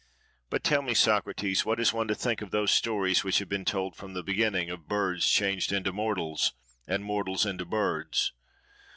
But tell me, Socrates, what is one to think of those stories which have been told from the beginning, of birds changed into mortals and mortals into birds?